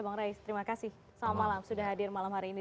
bang ray terima kasih selamat malam sudah hadir malam hari ini